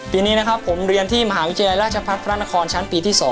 ปีนี้ผมเรียนที่มหาวิทยาลัยราชพัฒนภรรณครชั้นปีที่๒